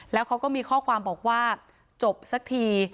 แล้วเขาก็มีข้อความบอกว่าจบสักที